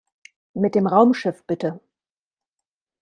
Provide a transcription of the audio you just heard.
Mit dem Raumschiff bitte!